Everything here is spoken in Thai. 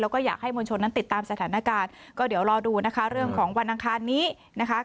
แล้วก็อยากให้มวลชนนั้นติดตามสถานการณ์ก็เดี๋ยวรอดูนะคะเรื่องของวันอังคารนี้นะคะ